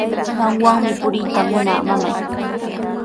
Qamwanmi puriyta munaa, mamay.